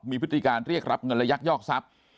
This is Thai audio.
มีพฤติการเรียกรับเงินและยักยอกทรัพย์